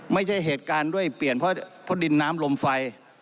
ไม่ใช่เหตุการณ์ด้วยเปลี่ยนเพราะดินน้ำลมไฟ